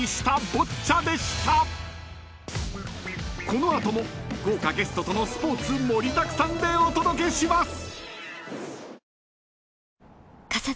［この後も豪華ゲストとのスポーツ盛りだくさんでお届けします！］